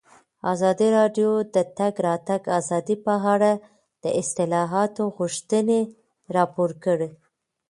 ازادي راډیو د د تګ راتګ ازادي په اړه د اصلاحاتو غوښتنې راپور کړې.